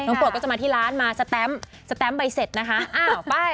น้องโปรดก็จะมาที่ร้านมาสแตมป์สแตมป์ใบเสร็จนะคะ